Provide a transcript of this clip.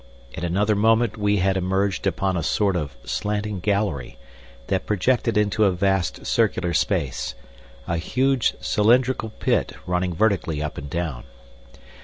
In another moment we had emerged upon a sort of slanting gallery, that projected into a vast circular space, a huge cylindrical pit running vertically up and down.